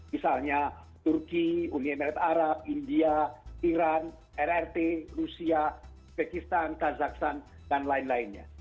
misalnya turki uni emirat arab india iran rrt rusia pakistan kazakhstan dan lain lainnya